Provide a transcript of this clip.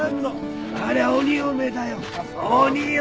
ありゃ鬼嫁だよ鬼嫁！